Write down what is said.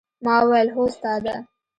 ما وويل هو استاده!